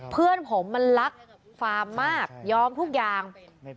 เพื่อนผมมันรักฟาร์มมากยอมทุกอย่าง